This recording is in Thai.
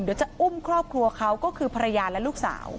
เดี๋ยวจะอุ้มครอบครัวเขาก็คือภรรยาและลูกสาว